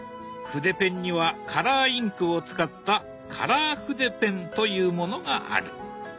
筆ペンにはカラーインクを使った「カラー筆ペン」というものがある。